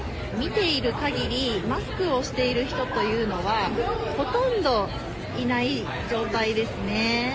見ているかぎり、マスクをしている人というのは、ほとんどいない状態ですね。